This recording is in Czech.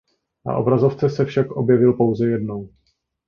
Na obrazovce se však objevil pouze jednou.